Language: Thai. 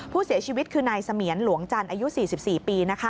ผู้เสียชีวิตคือนายเสมียนหลวงจันทร์อายุ๔๔ปี